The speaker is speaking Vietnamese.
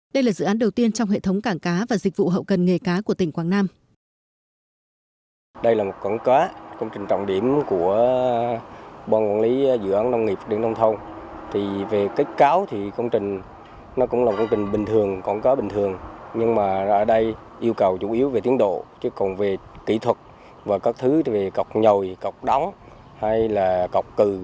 đây là dự án đầu tiên trong hệ thống cảng cá và dịch vụ hậu cần nghề cá của tỉnh quảng nam